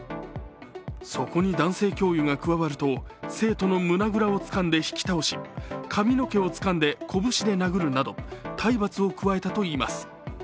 そこに男性教諭が加わると生徒の胸ぐらをつかんで引き倒し髪の毛をつかんで拳で殴るなど体罰を加えたといいます。